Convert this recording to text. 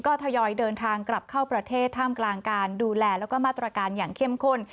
ก็ทยอยเดินทางกลับเข้าประเทศท่ามกลางการดูแลแล้วก็มาตรการอย่างเข้มข้น